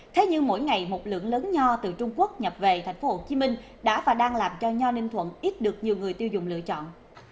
thế nhưng mỗi ngày một lượng lớn nho từ trung quốc nhập về thành phố hồ chí minh đã và đang làm cho nho ninh thuận ít được nhiều người tiêu dùng lựa chọn